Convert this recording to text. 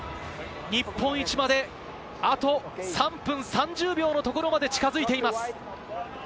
日本一まで、あと３分３０秒のところまで近づいています。